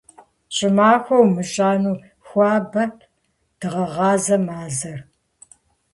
ЩӀымахуэу умыщӀэну, хуабэт дыгъэгъазэ мазэр.